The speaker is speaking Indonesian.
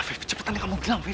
vif cepetan kamu bilang vif